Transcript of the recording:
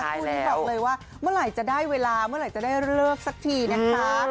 ใช่แล้วคู่นี้บอกเลยว่าเมื่อจะได้เวลาเมื่อจะได้เลิกสักทีนะคะ